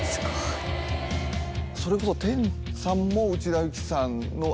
それこそ天さんも内田有紀さんの。